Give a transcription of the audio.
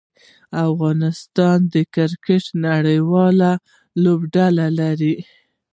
افغانستان د کرکټ نړۍواله لوبډله لري.